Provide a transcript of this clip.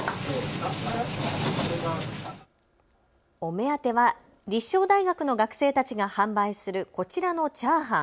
お目当ては立正大学の学生たちが販売するこちらのチャーハン。